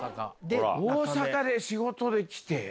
大阪で仕事で来て？